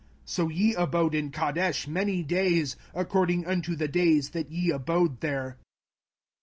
05:001:046 So ye abode in Kadesh many days, according unto the days that ye abode there.